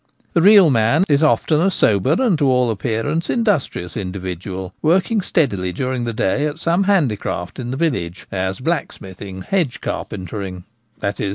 The real man is often a sober and to all appearance industrious individual, working steadily during the day at some handicraft in the village, as blacksmithing, hedge carpentering — i.e.